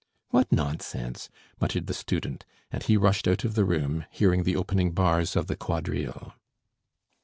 "What nonsense!" muttered the student, and he rushed out of the room, hearing the opening bars of the quadrille.